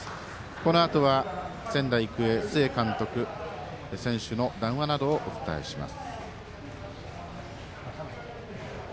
このあとは仙台育英、須江監督選手の談話などをお伝えします。